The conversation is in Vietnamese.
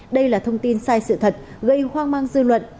đây là thông tin sai sự thật gây hoang mang dư luận